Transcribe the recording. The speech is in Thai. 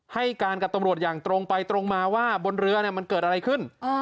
ให้การกับตำรวจอย่างตรงไปตรงมาว่าบนเรือมันเกิดอะไรขึ้น